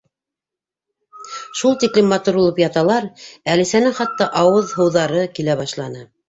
Шул тиклем матур булып яталар, Әлисәнең хатта ауыҙ һыуҙары килә башланы.